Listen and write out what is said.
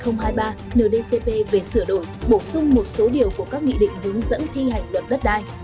nldcp về sửa đổi bổ sung một số điều của các nghị định hướng dẫn thi hành luật đất đai